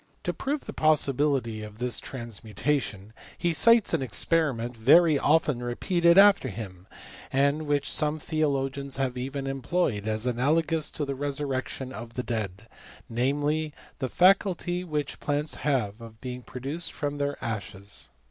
To prove the possibility of this transmutation, he cites an experiment very often repeated after him, and which some theologians have even employed as analagous to the resurrection of the dead ; namely, the faculty which plants have of being produced from their ashes.